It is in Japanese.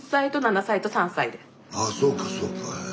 あそうかそうか。へ。